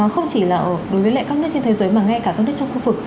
không chỉ là đối với các nước trên thế giới mà ngay cả các nước trong khu vực